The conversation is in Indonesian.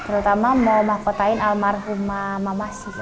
terutama memahkotain almarhum mamah sih